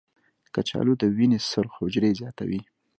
کچالو د وینې سرخ حجرې زیاتوي.